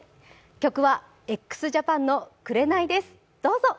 曲はＸＪＡＰＡＮの「紅」です、どうぞ。